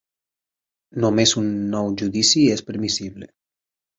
Només un nou judici és permissible.